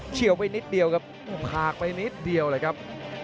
เชี่ยวไปนิดเดียวครับหากไปนิดเดียวเลยครับ